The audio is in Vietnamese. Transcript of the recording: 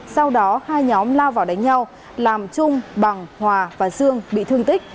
sau đó hai nhóm lao vào đánh nhau làm trung bằng hòa và dương bị thương tích